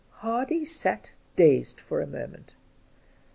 Hardy sat dazed for, a moment.